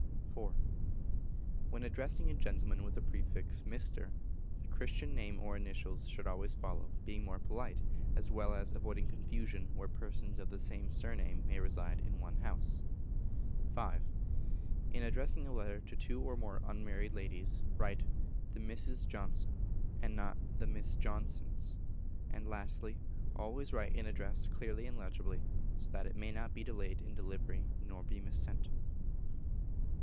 iv. When addressing a gentleman with the prefix "Mr.," the Christian name or initials should always follow, being more polite, as well as avoiding confusion where persons of the same surname may reside in one house. v. In addressing a letter to two or more unmarried ladies, write "The Misses Johnson," and not "The Miss Johnsons;" and, lastly, always write an address clearly and legibly, so that it may not be delayed in delivery, nor be missent.